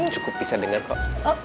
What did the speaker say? cukup bisa denger kok